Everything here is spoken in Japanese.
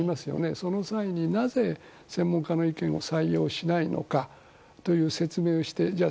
その際になぜ専門家の意見を採用しないのかという説明をしてじゃあ